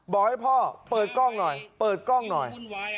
บอกให้พ่อเปิดกล้องหน่อยเปิดกล้องหน่อย